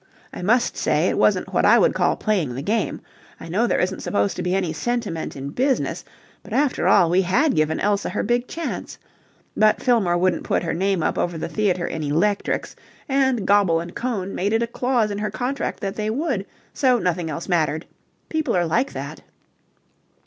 I must say it wasn't what I would call playing the game. I know there isn't supposed to be any sentiment in business, but after all we had given Elsa her big chance. But Fillmore wouldn't put her name up over the theatre in electrics, and Goble and Cohn made it a clause in her contract that they would, so nothing else mattered. People are like that."